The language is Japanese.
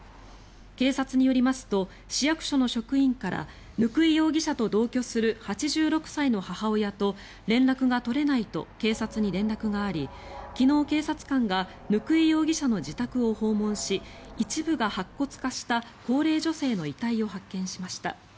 警察によりますと市役所の職員から貫井容疑者と同居する８６歳の母親と連絡が取れないと警察に連絡があり昨日、警察官が貫井容疑者の自宅を訪問し一部が白骨化した高齢女性の遺体を発見しました。